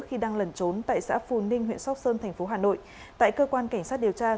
khi đang lẩn trốn tại xã phù ninh huyện sóc sơn thành phố hà nội tại cơ quan cảnh sát điều tra